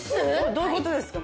どういう事ですか？